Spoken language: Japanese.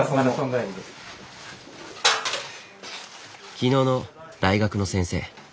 昨日の大学の先生。